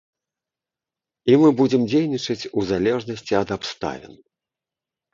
І мы будзем дзейнічаць у залежнасці ад абставін.